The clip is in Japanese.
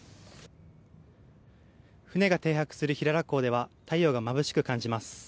船が停泊する平良港では太陽がまぶしく感じます。